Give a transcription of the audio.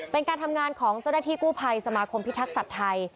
เป็นการทำงานของเจ้าหน้าที่กู้ภัยสมาคมพิทักษัตริย์ไทย